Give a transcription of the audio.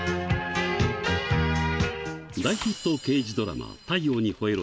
大ヒット刑事ドラマ、太陽にほえろ！